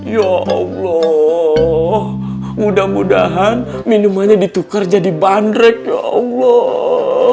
ya allah mudah mudahan minumannya ditukar jadi bandrek ya allah